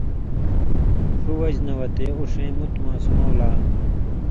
ݜُو وجہۡ نہ وتے اُو ݜېں مُت ماسمؤں لا